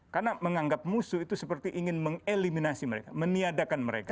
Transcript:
karena menganggap musuh itu seperti ingin mengeliminasi mereka meniadakan mereka